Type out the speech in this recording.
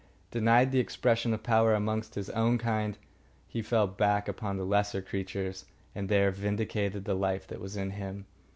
Denied the expression of power amongst his own kind, he fell back upon the lesser creatures and there vindicated the life that was in him.